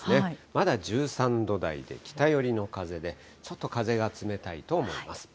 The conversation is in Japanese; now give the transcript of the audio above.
まだ１３度台で、北寄りの風で、ちょっと風が冷たいと思います。